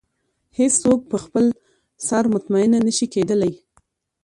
هېڅ څوک په خپل سر مطمئنه نه شي کېدلی.